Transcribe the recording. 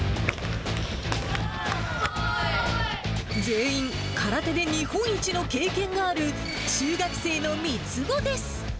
全員、空手で日本一の経験がある中学生の３つ子です。